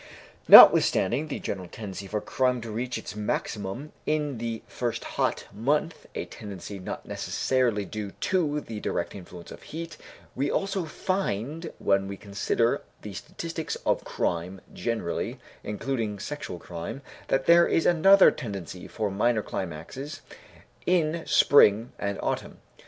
Notwithstanding the general tendency for crime to reach its maximum in the first hot month (a tendency not necessarily due to the direct influence of heat), we also find, when we consider the statistics of crime generally (including sexual crime), that there is another tendency for minor climaxes in spring and autumn.